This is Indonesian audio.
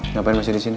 ngapain masih disini